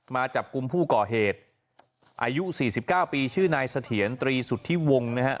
มาจับกลุ่มผู้ก่อเหตุอายุ๔๙ปีชื่อนายเสถียรตรีสุทธิวงศ์นะฮะ